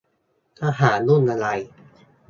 ทหารยุ่งอะไร